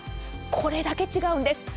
これだけ違うんです。